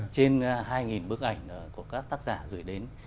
trên hai bức ảnh của các tác giả gửi đến